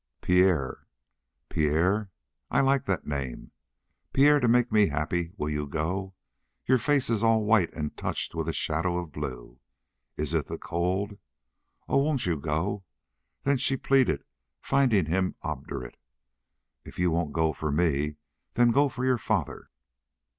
"Pierre." "Pierre? I like that name. Pierre, to make me happy, will you go? Your face is all white and touched with a shadow of blue. It is the cold. Oh, won't you go?" Then she pleaded, finding him obdurate: "If you won't go for me, then go for your father."